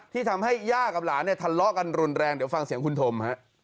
ที่ทำให้ย่ากับหลานเนี่ยทะเลาะกันรุนแรงเดี๋ยวฟังเสียงคุณธมฮะ